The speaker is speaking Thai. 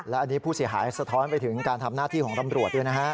และอันนี้ผู้เสียหายสะท้อนไปถึงการทำหน้าที่ของตำรวจด้วยนะฮะ